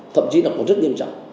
thậm chí nó còn rất nghiêm trọng